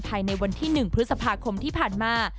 ภายในวันที่๑พฤษภาคมที่ผ่านมา